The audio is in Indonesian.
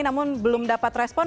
namun belum dapat respon